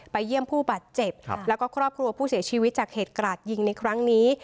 เยี่ยมผู้บาดเจ็บแล้วก็ครอบครัวผู้เสียชีวิตจากเหตุกราดยิงในครั้งนี้